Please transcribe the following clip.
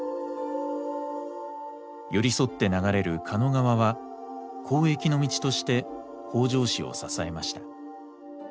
寄り添って流れる狩野川は交易の道として北条氏を支えました。